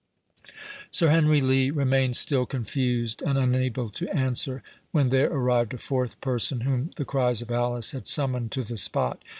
Sir Henry Lee remained still confused, and unable to answer, when there arrived a fourth person, whom the cries of Alice had summoned to the spot.